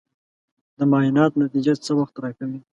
د معاینات نتیجه څه وخت راکوې؟